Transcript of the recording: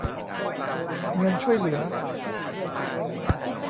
เงินช่วยเหลือ